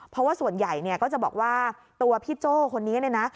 เพราะว่าส่วนใหญ่เนี่ยก็จะบอกว่าตัวพี่โจ้คนนี้เนี่ยนะ